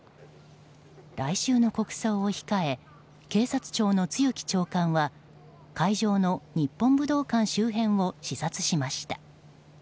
来週の国葬を控え警察庁の露木長官は会場の日本武道館周辺を視察しました。